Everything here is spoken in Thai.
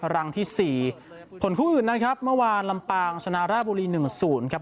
รังที่สี่ผลคู่อื่นนะครับเมื่อวานลำปังชนะเรียกบุรีหนึ่งศูนย์ครับ